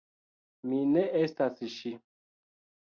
Mi ne estas ŝi.